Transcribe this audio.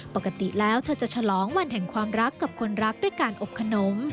ปกติแล้วเธอจะฉลองวันแห่งความรักกับคนรักด้วยการอบขนม